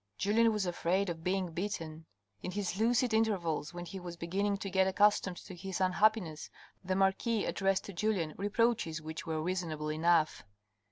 Julien was afraid of being beaten. In his lucid intervals, when he was beginning to get accustomed to his unhappiness, the marquis addressed to Julien reproaches which were reasonable enough.